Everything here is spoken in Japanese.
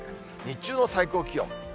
日中の最高気温。